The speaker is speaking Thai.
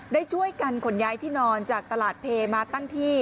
ได้ช่วยกันขนย้ายที่นอนจากตลาดเพมาตั้งที่